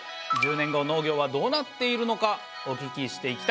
１０年後農業はどうなっているのかお聞きしていきたいと思います。